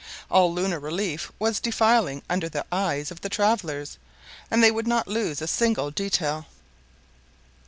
All lunar relief was defiling under the eyes of the travelers, and they would not lose a single detail.